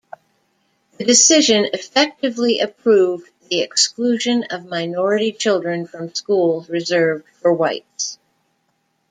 The decision effectively approved the exclusion of minority children from schools reserved for whites.